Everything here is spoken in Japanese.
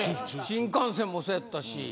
新幹線もそうやったし。